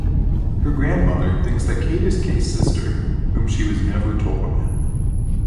Her grandmother thinks that Kate is Kaye's sister whom she was never told about.